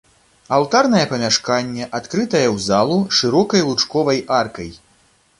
Алтарнае памяшканне адкрытае ў залу шырокай лучковай аркай.